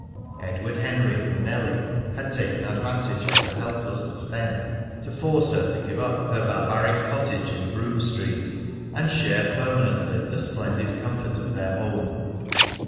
Edward Henry and Nellie had taken advantage of her helplessness, then, to force her to give up her barbaric cottage in Brougham Street and share permanently the splendid comfort of their home.